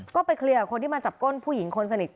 ก็ไปเคลียร์กับคนที่มาจับก้นผู้หญิงคนสนิท